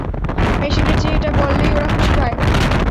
মেশিনের চেয়ে এটা বললেই ওরা খুশি হয়।